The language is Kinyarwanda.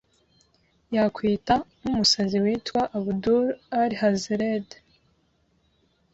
yakwita nk’umusazi witwa Abdul Al –Hazred